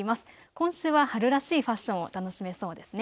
今週は春らしいファッションを楽しめそうですね。